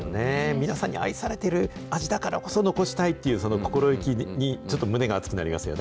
皆さんに愛されている味だからこそ残したいというその心意気に、ちょっと胸が熱くなりますよね。